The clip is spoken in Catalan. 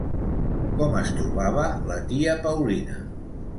Com es trobava la tia Paulina?